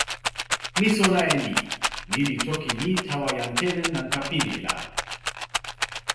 mi sona e ni: ni li toki mi tawa jan Telen nanpa pini, la.